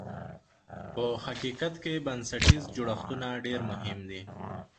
په حقیقت کې بنسټیز جوړښتونه ډېر مهم دي.